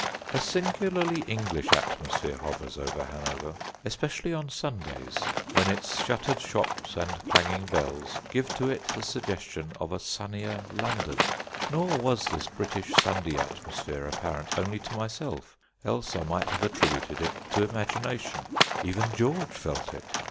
A singularly English atmosphere hovers over Hanover, especially on Sundays, when its shuttered shops and clanging bells give to it the suggestion of a sunnier London. Nor was this British Sunday atmosphere apparent only to myself, else I might have attributed it to imagination; even George felt it.